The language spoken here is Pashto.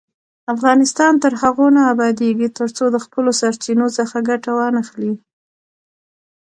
افغانستان تر هغو نه ابادیږي، ترڅو د خپلو سرچینو څخه ګټه وانخلو.